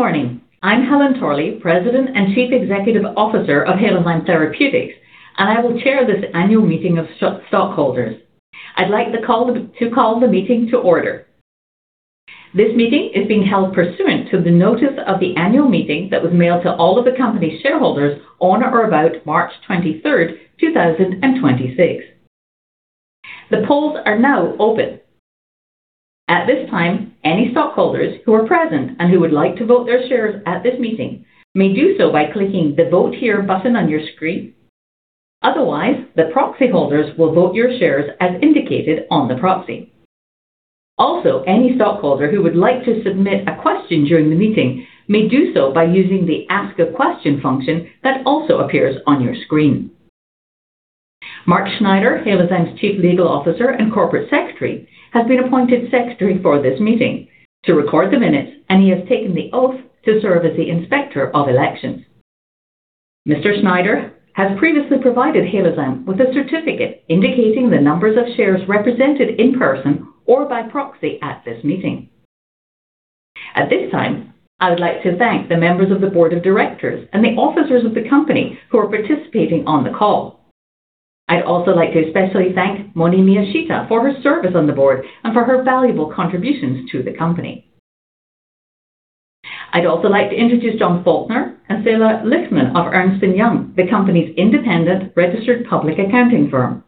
Good morning. I'm Helen Torley, President and Chief Executive Officer of Halozyme Therapeutics, and I will chair this annual meeting of stockholders. I'd like to call the meeting to order. This meeting is being held pursuant to the notice of the annual meeting that was mailed to all of the company's shareholders on or about March 23rd, 2026. The polls are now open. At this time, any stockholders who are present and who would like to vote their shares at this meeting may do so by clicking the Vote Here button on your screen. Otherwise, the proxy holders will vote your shares as indicated on the proxy. Also, any stockholder who would like to submit a question during the meeting may do so by using the Ask a Question function that also appears on your screen. Mark Snyder, Halozyme's Chief Legal Officer and Corporate Secretary, has been appointed secretary for this meeting to record the minutes, and he has taken the oath to serve as the Inspector of Elections. Mr. Snyder has previously provided Halozyme with a certificate indicating the numbers of shares represented in person or by proxy at this meeting. At this time, I would like to thank the members of the board of directors and the officers of the company who are participating on the call. I'd also like to especially thank Moni Miyashita for her service on the board and for her valuable contributions to the company. I'd also like to introduce John Faulkner and Selah Lichtman of Ernst & Young, the company's independent registered public accounting firm.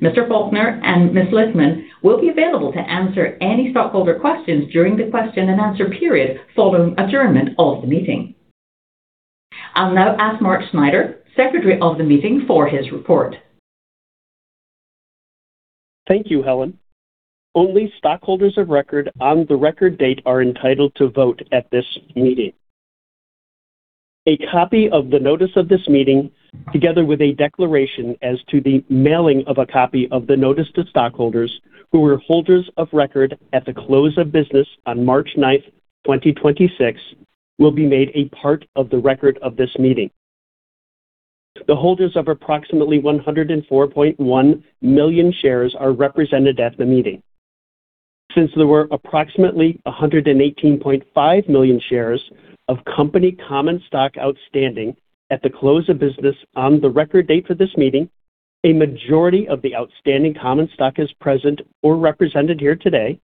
Mr. Faulkner and Ms. Lichtman will be available to answer any stockholder questions during the question and answer period following adjournment of the meeting. I'll now ask Mark Snyder, Secretary of the meeting, for his report. Thank you, Helen. Only stockholders of record on the record date are entitled to vote at this meeting. A copy of the notice of this meeting, together with a declaration as to the mailing of a copy of the notice to stockholders who were holders of record at the close of business on March 9th, 2026, will be made a part of the record of this meeting. The holders of approximately 104.1 million shares are represented at the meeting. Since there were approximately 118.5 million shares of company common stock outstanding at the close of business on the record date for this meeting, a majority of the outstanding common stock is present or represented here today,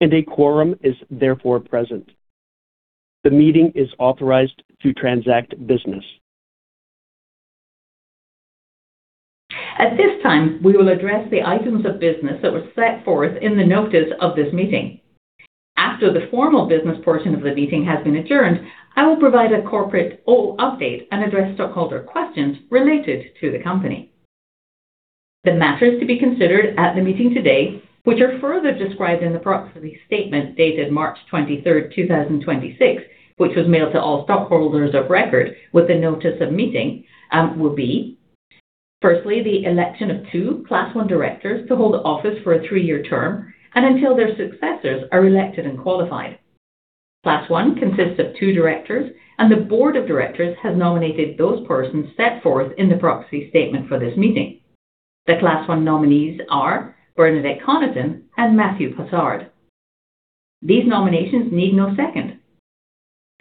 and a quorum is therefore present. The meeting is authorized to transact business. At this time, we will address the items of business that were set forth in the notice of this meeting. After the formal business portion of the meeting has been adjourned, I will provide a corporate update and address stockholder questions related to the company. The matters to be considered at the meeting today, which are further described in the proxy statement dated March 23rd, 2026, which was mailed to all stockholders of record with the notice of meeting, will be: firstly, the election of two Class I directors to hold office for a three-year term and until their successors are elected and qualified. Class I consists of two directors. The Board of Directors has nominated those persons set forth in the proxy statement for this meeting. The Class I nominees are Bernadette Connaughton and Matthew Posard. These nominations need no second.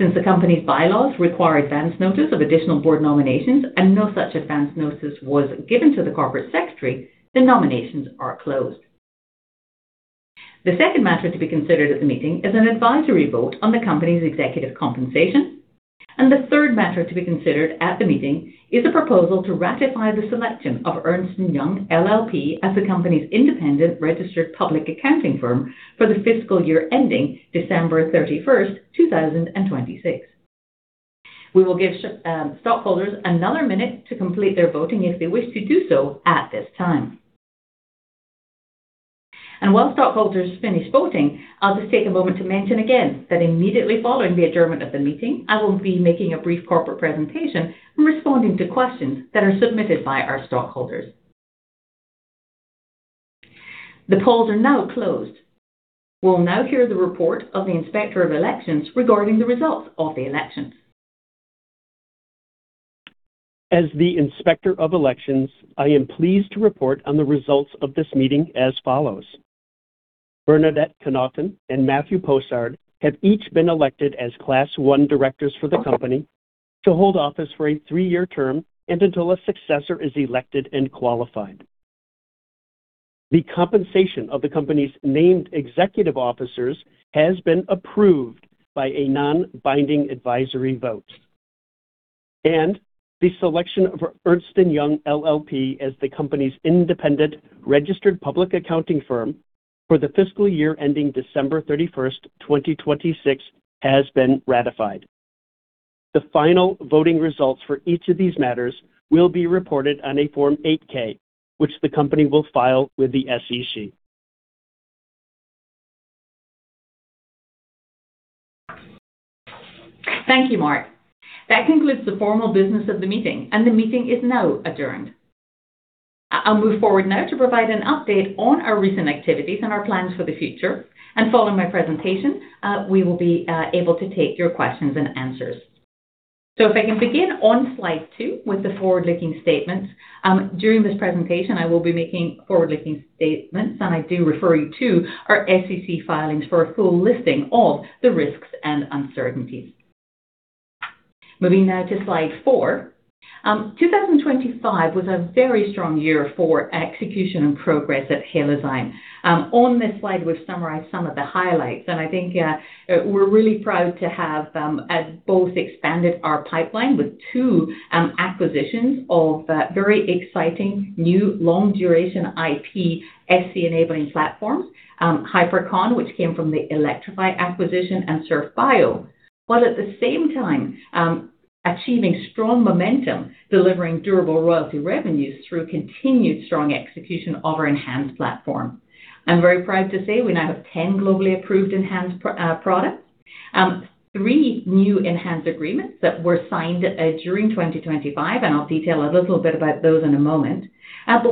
Since the company's bylaws require advance notice of additional board nominations and no such advance notice was given to the corporate secretary, the nominations are closed. The second matter to be considered at the meeting is an advisory vote on the company's executive compensation. The third matter to be considered at the meeting is a proposal to ratify the selection of Ernst & Young LLP as the company's independent registered public accounting firm for the fiscal year ending December 31st, 2026. We will give stockholders another minute to complete their voting if they wish to do so at this time. While stockholders finish voting, I'll just take a moment to mention again that immediately following the adjournment of the meeting, I will be making a brief corporate presentation and responding to questions that are submitted by our stockholders. The polls are now closed. We'll now hear the report of the Inspector of Elections regarding the results of the elections. As the Inspector of Elections, I am pleased to report on the results of this meeting as follows. Bernadette Connaughton and Matthew Posard have each been elected as Class I directors for the company to hold office for a three-year term and until a successor is elected and qualified. The compensation of the company's named executive officers has been approved by a non-binding advisory vote. The selection of Ernst & Young LLP as the company's independent registered public accounting firm for the fiscal year ending December 31st, 2026, has been ratified. The final voting results for each of these matters will be reported on a Form 8-K, which the company will file with the SEC. Thank you, Mark. That concludes the formal business of the meeting, the meeting is now adjourned. I'll move forward now to provide an update on our recent activities and our plans for the future. Following my presentation, we will be able to take your questions and answers. If I can begin on slide two with the forward-looking statements. During this presentation, I will be making forward-looking statements, and I do refer you to our SEC filings for a full listing of the risks and uncertainties. Moving now to slide four. 2025 was a very strong year for execution and progress at Halozyme. On this slide, we've summarized some of the highlights, and I think we're really proud to have both expanded our pipeline with two acquisitions of very exciting new long duration iPSC enabling platforms, HyperCon, which came from the Elektrofi acquisition, and Surf Bio. While at the same time, achieving strong momentum, delivering durable royalty revenues through continued strong execution of our ENHANZE platform. I'm very proud to say we now have 10 globally approved ENHANZE products. Three new ENHANZE agreements that were signed during 2025, and I'll detail a little bit about those in a moment.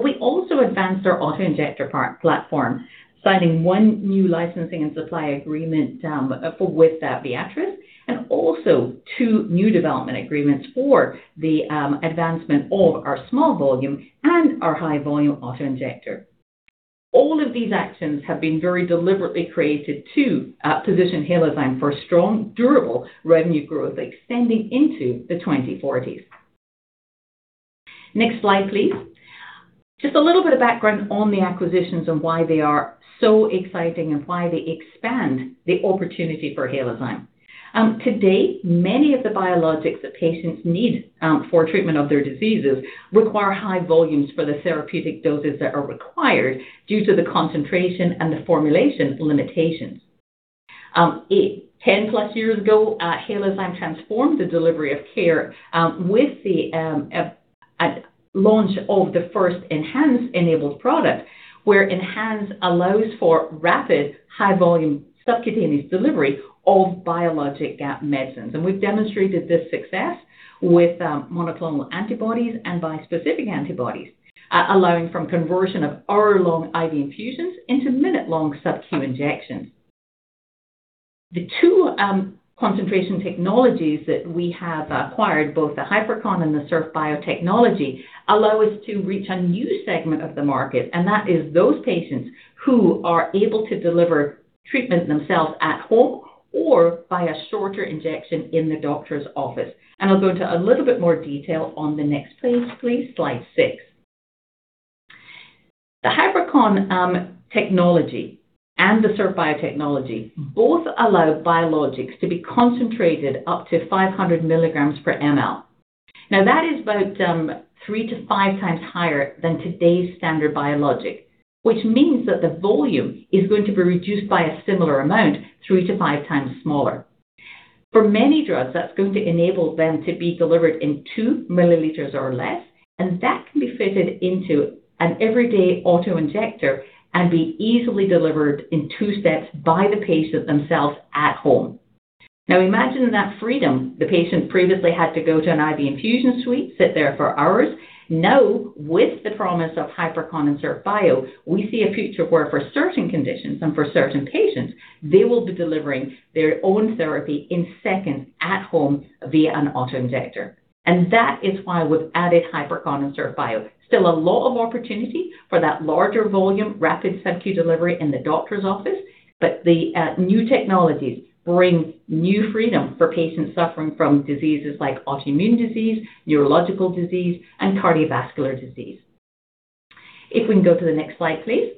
We also advanced our auto injector platform, signing one new licensing and supply agreement with Viatris, and also two new development agreements for the advancement of our small volume and our high volume auto injector. All of these actions have been very deliberately created to position Halozyme for strong, durable revenue growth extending into the 2040s. Next slide, please. Just a little bit of background on the acquisitions and why they are so exciting and why they expand the opportunity for Halozyme. To date, many of the biologics that patients need for treatment of their diseases require high volumes for the therapeutic doses that are required due to the concentration and the formulation limitations. 10+ years ago, Halozyme transformed the delivery of care with the launch of the first ENHANZE enabled product, where ENHANZE allows for rapid, high volume subcutaneous delivery of biologic medicines. We've demonstrated this success with monoclonal antibodies and bispecific antibodies, allowing from conversion of hour-long IV infusions into minute long sub-Q injections. The two concentration technologies that we have acquired, both theHyperCon and the Surf Bio technology, allow us to reach a new segment of the market, and that is those patients who are able to deliver treatment themselves at home or by a shorter injection in the doctor's office. I'll go into a little bit more detail on the next page, please, slide six. The HyperCon technology and the Surf Bio technology both allow biologics to be concentrated up to 500 milligrams per ml. Now, that is about three to five times higher than today's standard biologic, which means that the volume is going to be reduced by a similar amount, three to five times smaller. For many drugs, that's going to enable them to be delivered in 2 milliliters or less, and that can be fitted into an everyday auto injector and be easily delivered in two steps by the patient themselves at home. Now, imagine that freedom. The patient previously had to go to an IV infusion suite, sit there for hours. Now, with the promise of HyperCon and Surf Bio, we see a future where for certain conditions and for certain patients, they will be delivering their own therapy in seconds at home via an auto injector. That is why we've added HyperCon and Surf Bio. Still a lot of opportunity for that larger volume, rapid sub-Q delivery in the doctor's office. The new technologies bring new freedom for patients suffering from diseases like autoimmune disease, neurological disease, and cardiovascular disease. If we can go to the next slide, please.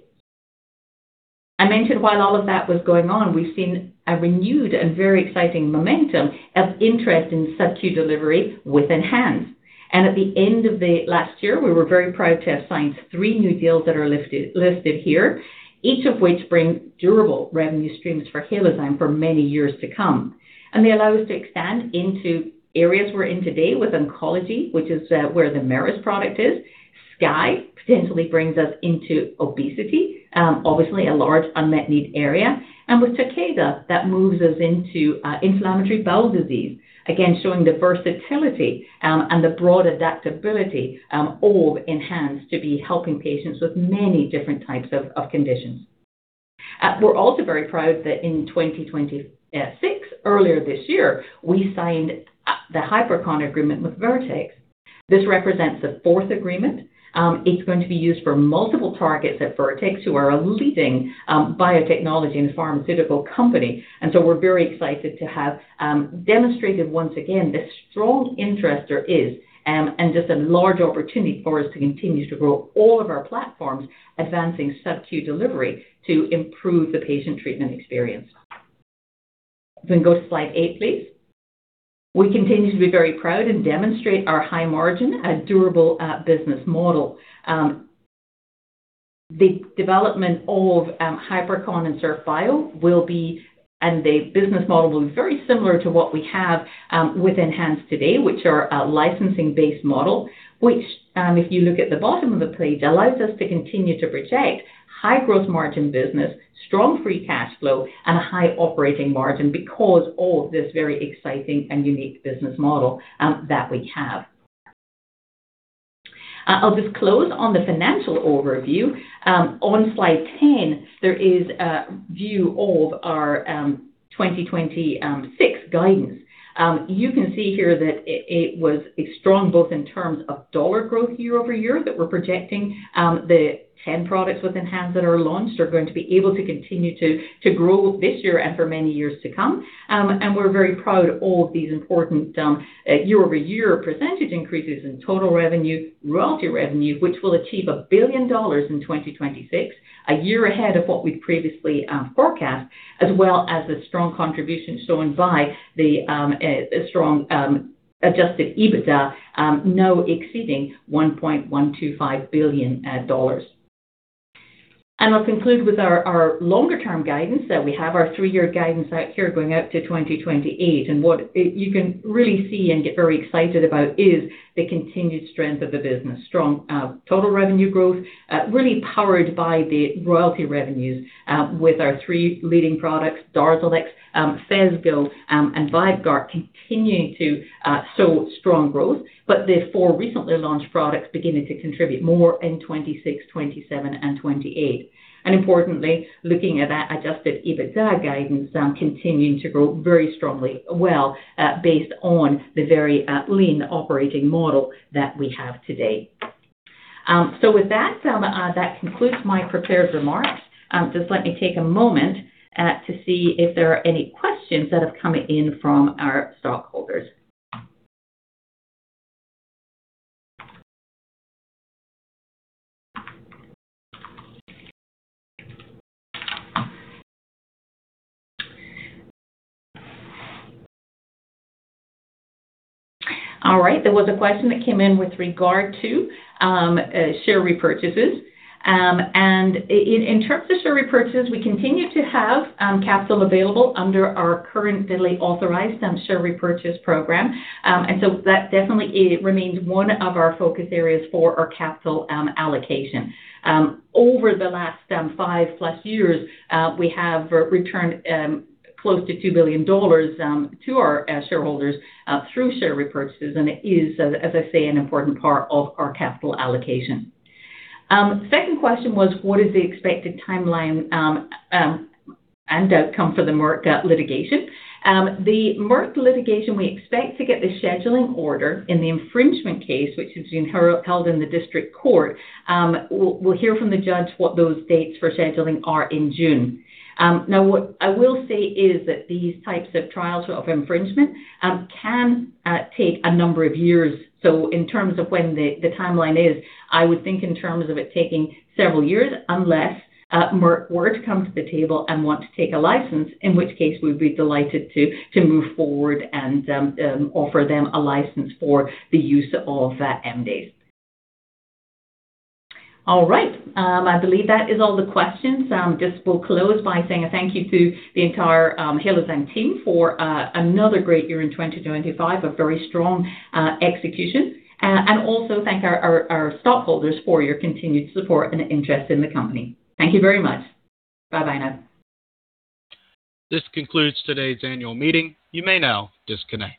I mentioned while all of that was going on, we've seen a renewed and very exciting momentum of interest in sub-Q delivery with ENHANZE. At the end of the last year, we were very proud to have signed three new deals that are listed here, each of which bring durable revenue streams for Halozyme for many years to come. They allow us to expand into areas we're in today with oncology, which is where the Merus N.V. product is. Skye Bioscience potentially brings us into obesity, obviously a large unmet need area. With Takeda, that moves us into inflammatory bowel disease. Again, showing the versatility and the broad adaptability of ENHANZE to be helping patients with many different types of conditions. We're also very proud that in 2026, earlier this year, we signed the HyperCon agreement with Vertex. This represents the fourth agreement. It's going to be used for multiple targets at Vertex, who are a leading biotechnology and pharmaceutical company. We're very excited to have demonstrated once again the strong interest there is and just a large opportunity for us to continue to grow all of our platforms advancing sub-Q delivery to improve the patient treatment experience. You can go to slide eight, please. We continue to be very proud and demonstrate our high margin and durable business model. The business model will be very similar to what we have with ENHANZE today, which are a licensing-based model, which, if you look at the bottom of the page, allows us to continue to project high growth margin business, strong free cash flow, and a high operating margin because of this very exciting and unique business model that we have. I'll just close on the financial overview. On slide 10, there is a view of our 2026 guidance. You can see here that it was a strong both in terms of dollar growth year-over-year that we're projecting. The 10 products with ENHANZE that are launched are going to be able to continue to grow this year and for many years to come. We're very proud of these important year-over-year percentage increases in total revenue, royalty revenue, which will achieve $1 billion in 2026, a year ahead of what we'd previously forecast, as well as a strong contribution shown by the strong adjusted EBITDA, now exceeding $1.125 billion. I'll conclude with our longer term guidance that we have our three-year guidance out here going out to 2028. What you can really see and get very excited about is the continued strength of the business. Strong total revenue growth, really powered by the royalty revenues, with our three leading products, DARZALEX, Phesgo, and VYVGART, continuing to show strong growth. The four recently launched products beginning to contribute more in 2026, 2027, and 2028. Importantly, looking at that adjusted EBITDA guidance, continuing to grow very strongly, well, based on the very lean operating model that we have today. With that concludes my prepared remarks. Just let me take a moment to see if there are any questions that have come in from our stockholders. All right, there was a question that came in with regard to share repurchases. In terms of share repurchases, we continue to have capital available under our currently authorized share repurchase program. That definitely remains one of our focus areas for our capital allocation. Over the last 5+ years, we have returned close to $2 billion to our shareholders through share repurchases, and it is, as I say, an important part of our capital allocation. Second question was what is the expected timeline and outcome for the Merck litigation? The Merck litigation, we expect to get the scheduling order in the infringement case, which is being held in the district court. We'll hear from the judge what those dates for scheduling are in June. Now what I will say is that these types of trials of infringement can take a number of years. In terms of when the timeline is, I would think in terms of it taking several years, unless Merck were to come to the table and want to take a license, in which case we'd be delighted to move forward and offer them a license for the use of MDAs. All right, I believe that is all the questions. Just we'll close by saying thank you to the entire Halozyme team for another great year in 2025, a very strong execution. Also thank our stockholders for your continued support and interest in the company. Thank you very much. Bye-bye now. This concludes today's annual meeting. You may now disconnect.